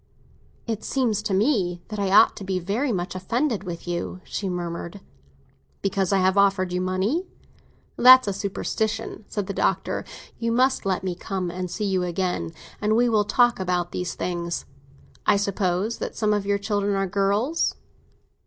"It seems to me that I ought to be very much offended with you," she murmured. "Because I have offered you money? That's a superstition," said the Doctor. "You must let me come and see you again, and we will talk about these things. I suppose that some of your children are girls."